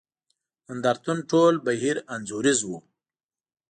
نند ارتون ټول بهیر انځوریز وو.